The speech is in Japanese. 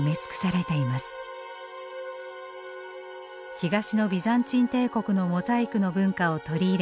東のビザンチン帝国のモザイクの文化を取り入れ